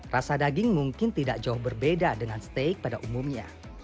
rasa daging mungkin tidak jauh berbeda dengan steak pada umumnya